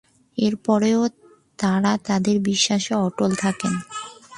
এরপরও তারা তাদের বিশ্বাসে অটল থাকেন।